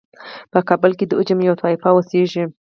په کابل کې د عجم یوه طایفه اوسیږي.